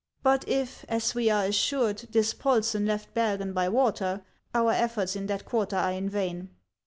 But if, as we are assured, Dispolsen left Bergen by water, our efforts in that quarter are in vain.